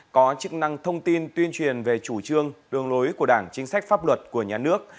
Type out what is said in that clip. có chức năng thông tin tuyên truyền về chủ trương đường lối của đảng chính sách pháp luật của nhà nước